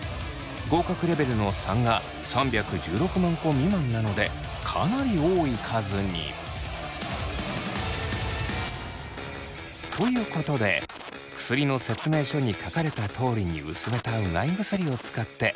合格レベルの３が３１６万個未満なのでかなり多い数に。ということで薬の説明書に書かれたとおりに薄めたうがい薬を使ってやさしく口ゆすぎを。